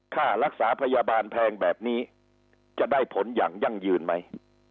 ค่ารักษาพยาบาลแพงแบบนี้จะได้ผลอย่างยั่งยืนไหม